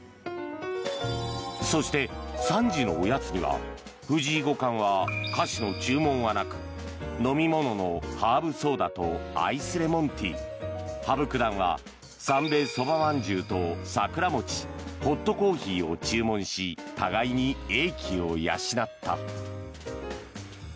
そして、３時のおやつには藤井五冠は菓子の注文はなく飲み物のハーブソーダとアイスレモンティー羽生九段は三瓶そばまんじゅうと桜餅ホットコーヒーを注文し互いに英気を養った。